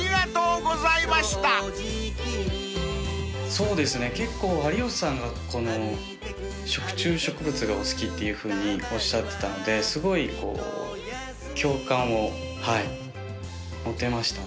そうですね有吉さんが食虫植物がお好きっていうふうにおっしゃってたのですごい共感を持てましたね。